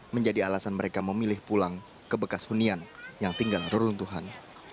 menjadi alasan mereka memilih pulang ke bekas hunian yang tinggal reruntuhan